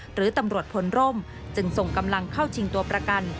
หรือตำรวจพลร่มจึงส่งกำลังเข้าชิงตัวประกัน